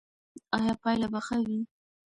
ایا پایله به ښه وي؟